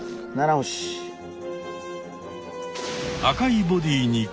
赤いボディーに黒い点。